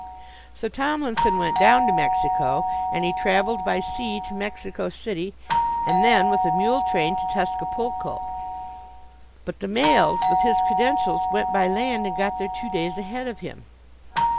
So Tomlinson went down to Mexico and he travelled by sea to Mexico City, and then with a mule train to Tuscapulco. But the mails, with his credentials, went by land and got there two days ahead of him.